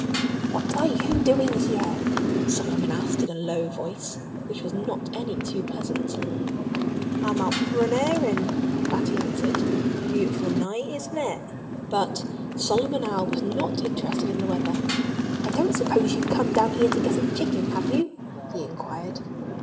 "What are you doing here?" Solomon Owl asked in a low voice, which was not any too pleasant. "I'm out for an airing," Fatty answered. "Beautiful night—isn't it?" But Solomon Owl was not interested in the weather. "I don't suppose you've come down here to get a chicken, have you?" he inquired.